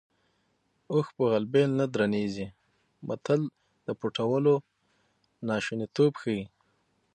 اوښ په غلبېل نه درنېږي متل د پټولو ناشونیتوب ښيي